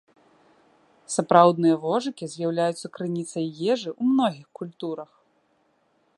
Сапраўдныя вожыкі з'яўляюцца крыніцай ежы ў многіх культурах.